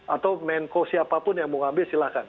atau menko siapapun yang mau ngambil silahkan